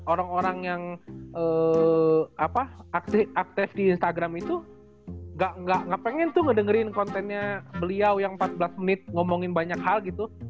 orang orang yang aktif di instagram itu gak pengen tuh ngedengerin kontennya beliau yang empat belas menit ngomongin banyak hal gitu